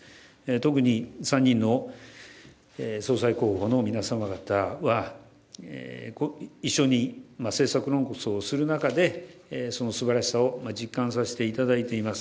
特に参議院の総裁候補の皆様方は一緒に政策論争をする中で、そのすばらしさを実感させていただいています。